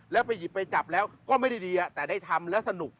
แล้วไปหยิบไปจับแล้วก็ไม่ได้ดีแต่ได้ทำแล้วสนุก